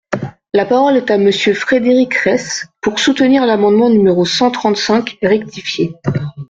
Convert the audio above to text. La parole est à Monsieur Frédéric Reiss, pour soutenir l’amendement numéro cent trente-cinq rectifié.